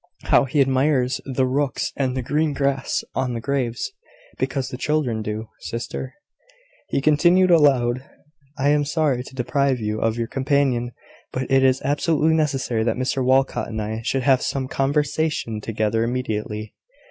How he admires the rooks and the green grass on the graves, because the children do! Sister," he continued aloud, "I am sorry to deprive you of your companion; but it is absolutely necessary that Mr Walcot and I should have some conversation together immediately.